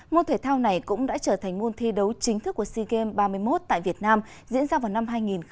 môn thể thao này cũng đã trở thành môn thi đấu chính thức của sea games ba mươi một tại việt nam diễn ra vào năm hai nghìn hai mươi